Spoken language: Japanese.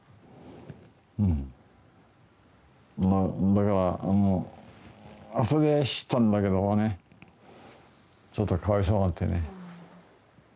だからあとで知ったんだけどもねちょっとかわいそうになってね。